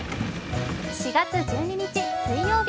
４月１２日水曜日。